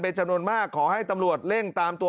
เป็นจำนวนมากขอให้ตำรวจเร่งตามตัว